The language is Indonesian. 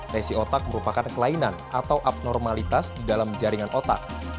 resi otak merupakan kelainan atau abnormalitas di dalam jaringan otak